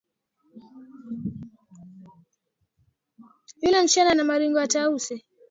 Yule msichana ana maringo ya tausi.